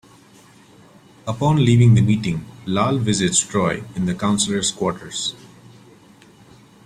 Upon leaving the meeting, Lal visits Troi in the counselor's quarters.